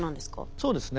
そうですね。